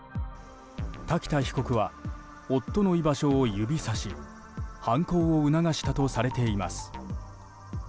瀧田被告は、夫の居場所を指さし犯行を促したとされています。